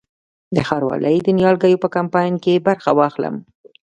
د ښاروالۍ د نیالګیو په کمپاین کې برخه واخلم؟